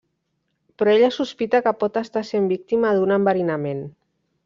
Però ella sospita que pot estar sent víctima d'un enverinament.